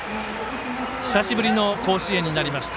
久しぶりの甲子園になりました。